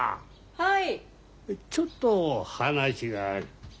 はい。